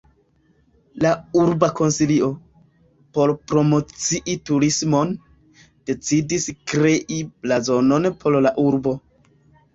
La urba konsilio, por promocii turismon, decidis krei blazonon por la urbo.